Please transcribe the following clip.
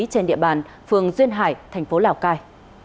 trên địa bàn phường duyên hải thành phố lào cai